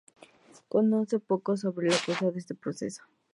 Se conoce poco sobre la causa de este proceso.